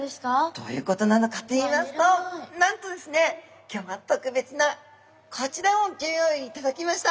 どういうことなのかといいますとなんとですね今日は特別なこちらをギョ用意いただきました！